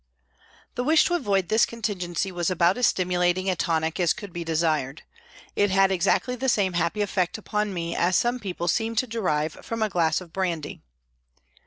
The wish to avoid this contingency was about as stimulating a tonic as could be desired. It had exactly the same happy effect upon me as some people seem to derive from a glass of brandy.